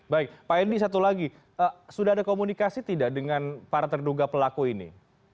baik pak edi satu lagi sudah ada komunikasi tidak dengan para terduga pelaku ini